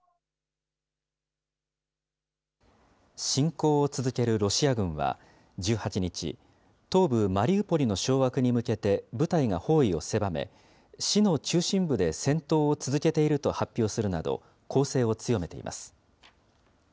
侵攻を続けるロシア軍は１８日、東部マリウポリの掌握に向けて部隊が包囲を狭め、市の中心部で戦闘を続けていると発表するなど、攻勢を強めています。